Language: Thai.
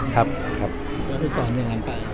แล้วไปสอนอย่างงั้นป่ะ